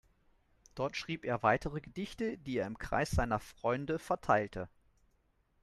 Dort schrieb er weitere Gedichte, die er im Kreis seiner Freunde verteilte.